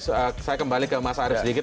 saya kembali ke mas arief sedikit